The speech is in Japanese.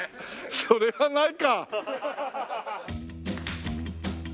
それはないか。